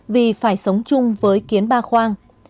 vì phải sống chung với kiến bạc khoang